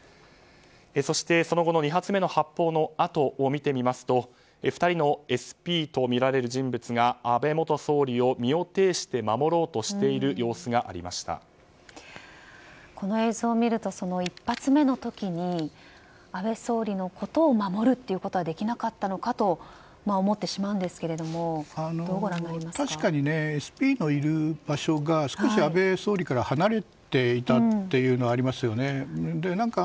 そして、その後の２発目の発砲のあとを見てみますと２人のＳＰとみられる人物が安倍元総理を身を挺して守ろうとしている様子がこの映像を見ると１発目の時に安倍元総理のことを守ることはできなかったのかと思ってしまうんですけれどもどうご覧になりますか。